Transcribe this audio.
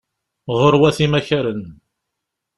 Ɣurwat imakaren.